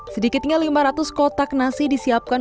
sedikitnya lima ratus kotak nasi disiapkan